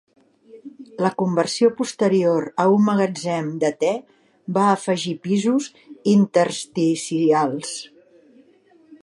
La conversió posterior a un magatzem de te va afegir pisos intersticials.